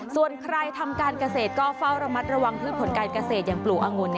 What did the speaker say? ส่วนใครทำการเกษตรก็เฝ้าระมัดระวังพืชผลการเกษตรอย่างปลูกอังุ่น